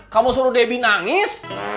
kamu suruh debi nangis